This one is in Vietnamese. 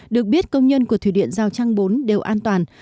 được biết công nhân của thủy điện giao trang bốn đều an toàn